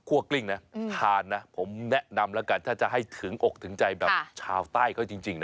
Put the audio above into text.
กลิ้งนะทานนะผมแนะนำแล้วกันถ้าจะให้ถึงอกถึงใจแบบชาวใต้เขาจริงนะ